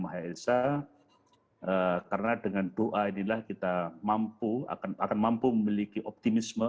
maha esa karena dengan doa inilah kita mampu akan mampu memiliki optimisme